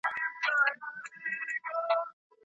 ماشومان باید د مور او پلار خبره واوري.